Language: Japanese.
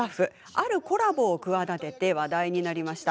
あるコラボを企てて話題になりました。